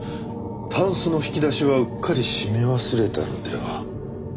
たんすの引き出しはうっかり閉め忘れたのでは？